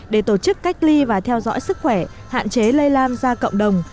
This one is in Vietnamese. để tổ chức cách ly và theo dõi sức khỏe hạn chế lây lan ra cộng đồng